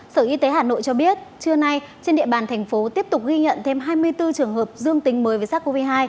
sở y tế hà nội cho biết trưa nay trên địa bàn thành phố tiếp tục ghi nhận thêm hai mươi bốn trường hợp dương tính với sars cov hai